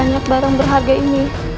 banyak barang berharga ini